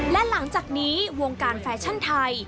และหลังจากนี้วงการแฟชั่นไทย